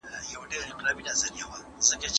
که لابراتوار نه وي نو ساینسي ازموینې نسي ترسره کيدای.